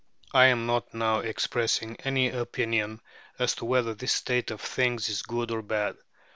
I am not now expressing any opinion as to whether this state of things is good or bad.